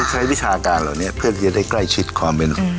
วิชาการเหล่านี้เพื่อที่จะได้ใกล้ชิดความเป็น